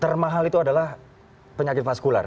termahal itu adalah penyakit vaskular